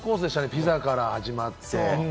ピザから始まって。